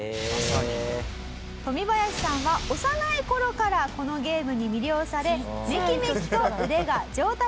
トミバヤシさんは幼い頃からこのゲームに魅了されめきめきと腕が上達。